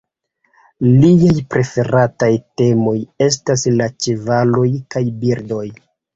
Liaj preferataj temoj estas la ĉevaloj kaj birdoj.